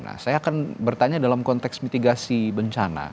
nah saya akan bertanya dalam konteks mitigasi bencana